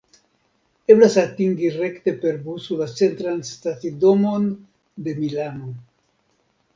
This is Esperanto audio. Eblas atingi rekte per buso la Centran Stacidomon de Milano.